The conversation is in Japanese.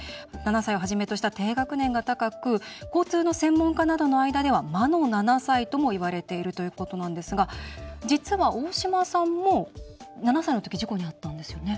７歳をはじめとした低学年が高く交通の専門家などの間では魔の７歳とも言われているということなんですが実は、大島さんも７歳のとき事故に遭ったんですよね？